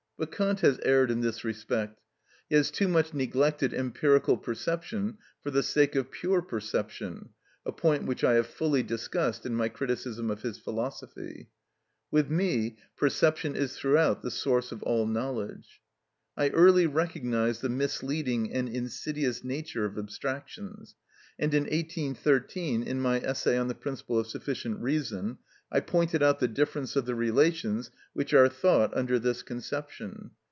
But Kant has erred in this respect. He has too much neglected empirical perception for the sake of pure perception—a point which I have fully discussed in my criticism of his philosophy. With me perception is throughout the source of all knowledge. I early recognised the misleading and insidious nature of abstractions, and in 1813, in my essay on the principle of sufficient reason, I pointed out the difference of the relations which are thought under this conception.